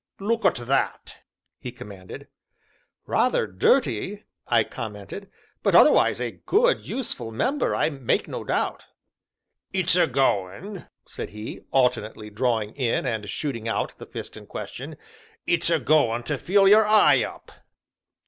"Look at that!" he commanded. "Rather dirty," I commented, "but otherwise a good, useful member, I make no doubt." "It's a goin'," said he, alternately drawing in and shooting out the fist in question, "it's a goin' to fill your eye up."